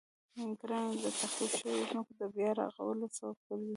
کرنه د تخریب شويو ځمکو د بیا رغولو سبب ګرځي.